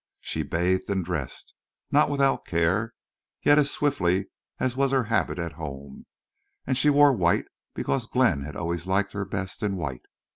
She bathed and dressed, not without care, yet as swiftly as was her habit at home; and she wore white because Glenn had always liked her best in white.